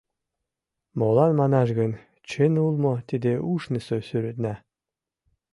Молан манаш гын, чын-улмо – тиде ушысо сӱретна.